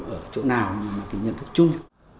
ở chỗ nào mà cái nhận thức chung